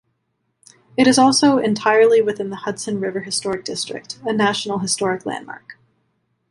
It is also entirely within the Hudson River Historic District, a National Historic Landmark.